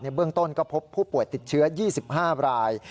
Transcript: เบื้องต้นก็พบผู้ป่วยติดเชื้อ๒๕ราย